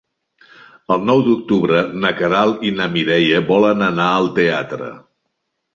El nou d'octubre na Queralt i na Mireia volen anar al teatre.